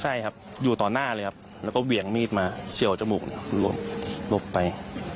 ใช่ครับอยู่ต่อหน้าเลยครับแล้วก็เหวี่ยงมีดมาเฉียวจมูกหลบไป